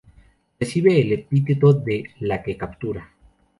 Recibe el epíteto de "la que captura".